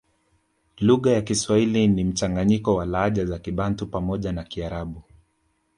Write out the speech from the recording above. Lugha ya Kiswahili ni mchanganyiko wa lahaja za kibantu pamoja na kiarabu